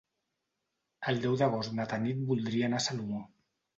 El deu d'agost na Tanit voldria anar a Salomó.